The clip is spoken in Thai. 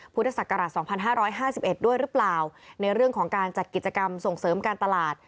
พุทธศักราช๒๕๕๑ด้วยหรือเปล่าในเรื่องของการจัดกิจกรรมส่งเสริมการตลาด